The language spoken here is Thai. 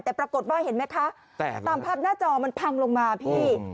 แต่ปรากฏว่าเห็นไหมคะตามภาพหน้าจอมันพังลงมาพี่